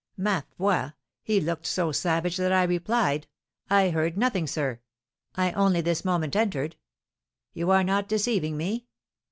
Ma foi! he looked so savage that I replied, 'I heard nothing, sir; I only this moment entered.' 'You are not deceiving me?'